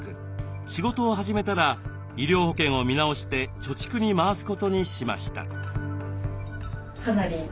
仕事を始めたら医療保険を見直して貯蓄に回すことにしました。